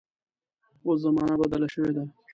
اوس زمانه بدله شوې ده.